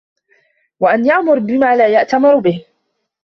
وَأَنْ يَأْمُرَ بِمَا لَا يَأْتَمِرُ بِهِ